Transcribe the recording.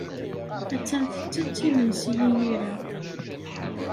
Attan tettet imensi imir-a.